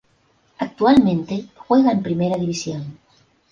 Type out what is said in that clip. Actualmente juega en Primera División.